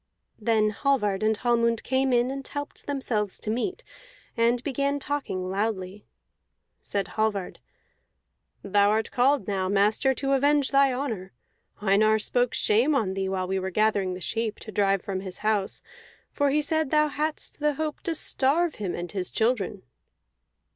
Then Hallvard and Hallmund came in and helped themselves to meat, and began talking loudly. Said Hallvard, "Thou art called now, master, to avenge thy honor. Einar spoke shame on thee while we were gathering the sheep to drive from his house, for he said thou hadst the hope to starve him and his children."